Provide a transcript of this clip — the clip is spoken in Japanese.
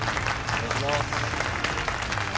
お願いします。